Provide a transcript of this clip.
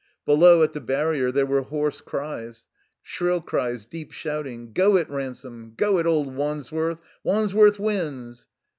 Below, at the barrier, there were hoarse cries,' shrill cries, deep shouting. "Go it, Ransome! Go it, old Wandsworth! Wandsworth wins!"